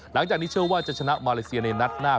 หลังจากนี้เชื่อว่าจะชนะมาเลเซียในนัดหน้า